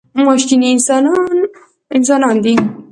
ماشیني انسانان دي.